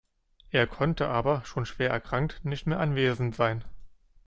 Er konnte aber, schon schwer erkrankt, nicht mehr anwesend sein.